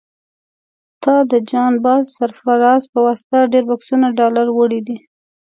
تا د جان باز سرفراز په واسطه ډېر بکسونه ډالر وړي دي.